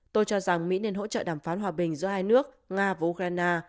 tôi cho rằng mỹ nên hỗ trợ đàm phán hòa bình giữa hai nước nga và ukraine